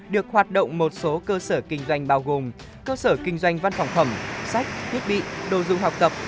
được hoạt động một số cơ sở kinh doanh bao gồm cơ sở kinh doanh văn phòng phẩm sách thiết bị đồ dùng học tập